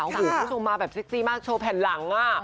คุณผู้ชมมาแบบเซ็กซี่มากโชว์แผ่นหลัง